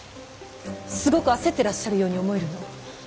すごく焦ってらっしゃるように思えるの。